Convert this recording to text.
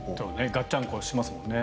ガッチャンコしますもんね。